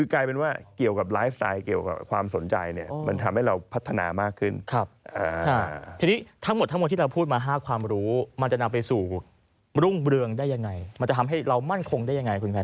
กลายเป็นว่าเกี่ยวกับไลฟ์สไตล์เกี่ยวกับพลังสนใจ